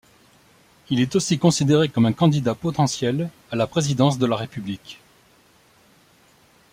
Il est aussi considéré comme un candidat potentiel à la Présidence de la République.